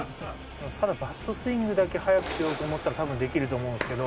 ただバットスイングだけ速くしようと思ったら多分できると思うんですけど。